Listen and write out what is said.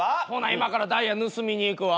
今からダイヤ盗みに行くわ。